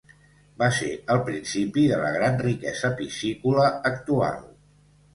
Va ser el principi de la gran riquesa piscícola actual.